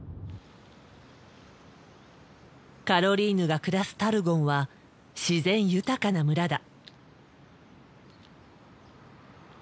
カロリーヌが暮らすタルゴンは自然豊かな村だ。